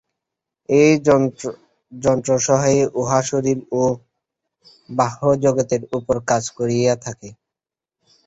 ঐ যন্ত্রসহায়ে উহা শরীর ও বাহ্য জগতের উপর কাজ করিয়া থাকে।